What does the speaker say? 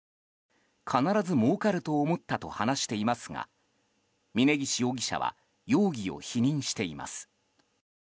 必ずもうかると思ったと話していますが峯岸容疑者は容疑を否認しています。